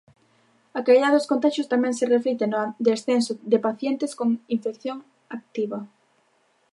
A caída dos contaxios tamén se reflicte no descenso de pacientes con infección activa.